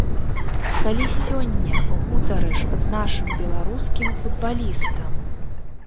Калі сёння гутарыш з нашым беларускім футбалістам.